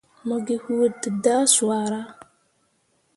Mo gi huu dǝdah swara.